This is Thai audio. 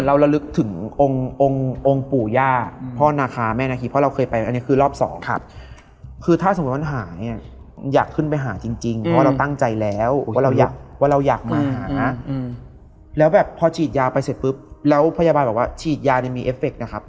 อันนั้นคือในมาหาวิทยาลัยเจอในหอ